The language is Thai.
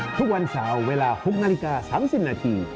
ทุกวันเสาร์เวลา๖นาฬิกา๓๐นาที